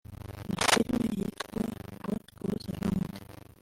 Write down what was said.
Ni filime yitwa What goes around